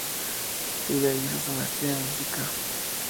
Ella hizo su maestría en música.